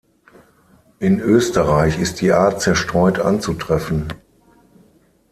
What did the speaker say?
In Österreich ist die Art zerstreut anzutreffen.